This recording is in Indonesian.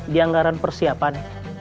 di anggaran persiapan